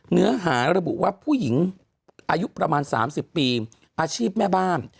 เนื้อหาระบุว่าผู้หญิงอายุประมาณ๓๐ปีอาชีพแม่บ้าน